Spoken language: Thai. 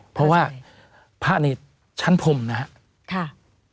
เพราะว่าพระในชั้นพรมนะครับ